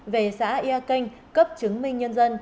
về xã ea kênh cấp chứng minh nhân dân